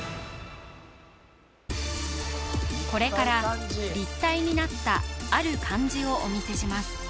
これから立体になったある漢字をお見せします